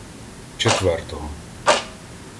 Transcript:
Четвертого